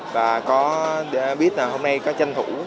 và có biết là hôm nay có tranh thủ